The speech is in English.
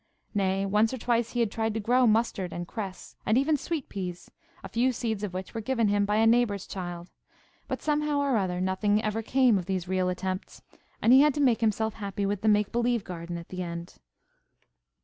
Nay, once or twice he had tried to grow mustard and cress, and even sweet peas, a few seeds of which were given him by a neighbour's child; but somehow or other, nothing ever came of these real attempts, and he had to make himself happy with the make believe garden at the end.